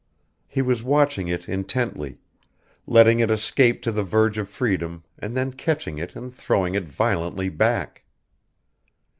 He was watching it intently: letting it escape to the verge of freedom and then catching it and throwing it violently back.